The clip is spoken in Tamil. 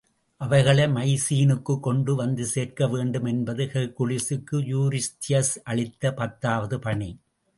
அவைகளை மைசீனுக்குக் கொண்டு வந்து சேர்க்க வேண்டும் என்பது ஹெர்க்குலிஸுக்கு யூரிஸ்தியஸ் அளித்த பத்தாவது பணி.